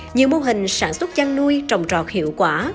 nhiều mô hình sản xuất chăn nuôi trồng trọt hiệu quả